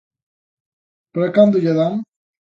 ¿Para cando lla dan?